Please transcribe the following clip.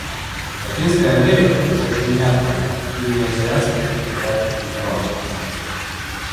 Латинская Америка — это не Африка и не Азиатско-Тихоокеанский регион.